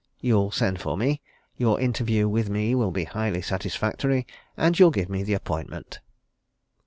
You'll send for me. Your interview with me will be highly satisfactory. And you'll give me the appointment."